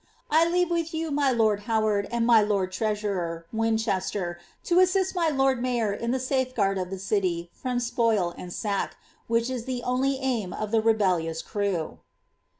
*■ I leave with you my lord Howard and my lord treasurer, fWinchester), to assist my lord majror in the safeguard of the city from spoil and sack, which is the only aim of the rebellious crew.''